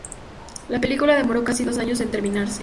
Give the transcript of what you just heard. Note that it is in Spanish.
La película demoró casi dos años en terminarse.